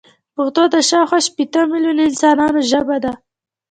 پښتو د شاوخوا شپيته ميليونه انسانانو ژبه ده.